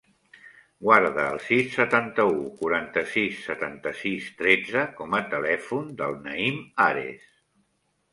Guarda el sis, setanta-u, quaranta-sis, setanta-sis, tretze com a telèfon del Naïm Ares.